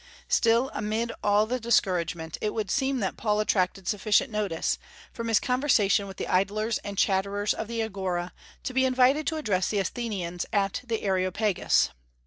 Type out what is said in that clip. Still, amid all this discouragement, it would seem that Paul attracted sufficient notice, from his conversation with the idlers and chatterers of the Agora, to be invited to address the Athenians at the Areopagus.